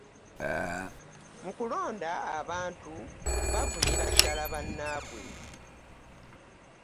Mu kulonda abantu bavumira ddala bannabwe.